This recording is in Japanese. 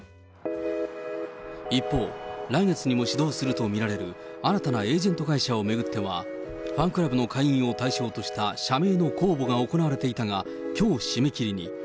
一方、来月にも始動すると見られる新たなエージェント会社を巡っては、ファンクラブの会員を対象とした社名の公募が行われていたが、きょう、締め切りに。